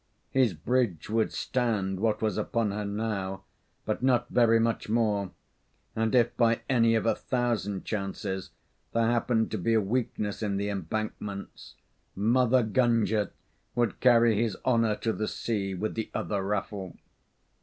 His bridge would stand what was upon her now, but not very much more, and if by any of a thousand chances there happened to be a weakness in the embankments, Mother Gunga would carry his honour to the sea with the other raffle.